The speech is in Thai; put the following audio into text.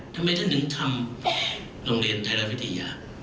ทำไมท่านถึงทำโรงเรียนไทยรัฐวิทยา